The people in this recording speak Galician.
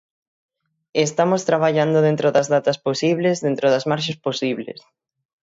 Estamos traballando dentro das datas posibles, dentro das marxes posibles.